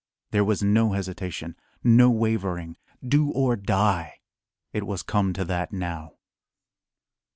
There was no hesitation, no wavering. "Do or die!" It was come to that now.